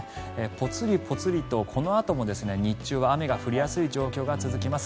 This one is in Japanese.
ぽつりぽつりと、このあとも日中は雨の降りやすい状態が続きます。